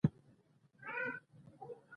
هیلۍ له ګرم اقلیم سره مینه لري